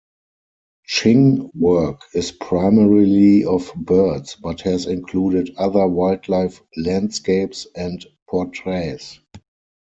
Ching work is primarily of birds, but has included other wildlife landscapes and portraits.